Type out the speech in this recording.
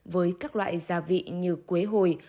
với các loại gia vị như quế hồi